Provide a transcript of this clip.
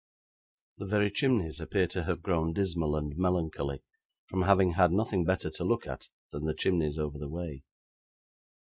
The very chimneys appear to have grown dismal and melancholy, from having had nothing better to look at than the chimneys over the way.